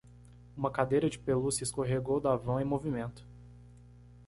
Uma cadeira de pelúcia escorregou da van em movimento.